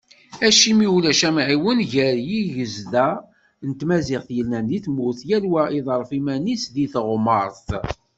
Acimi ulac amɛiwen gar yigezda n tmaziɣt yellan di tmurt, yal wa iḍerref iman-is di teɣmart?